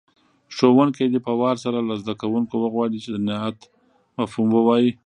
ښوونکی دې په وار سره له زده کوونکو وغواړي چې د نعت مفهوم ووایي.